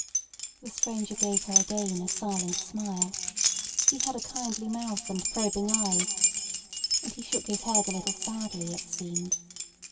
The stranger gave her again a silent smile. He had a kindly mouth and probing eyes. And he shook his head a little sadly, it seemed.